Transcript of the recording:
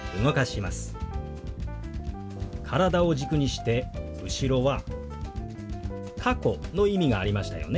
体を軸にして後ろは「過去」の意味がありましたよね。